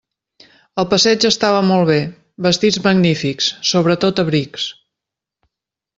El passeig estava molt bé; vestits magnífics, sobretot abrics.